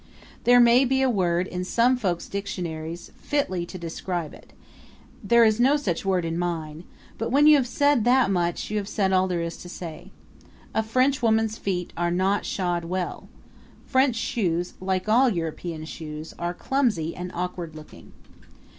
There may be a word in some folks' dictionaries fitly to describe it there is no such word in mine; but when you have said that much you have said all there is to say. A French woman's feet are not shod well. French shoes, like all European shoes, are clumsy and awkward looking.